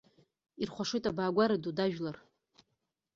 Ирхәашоит абаагәара ду дажәлар.